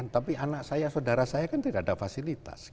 tapi anak saya saudara saya kan tidak ada fasilitas